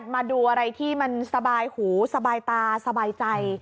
มาดูอะไรที่มันสบายหูสบายตาสบายใจ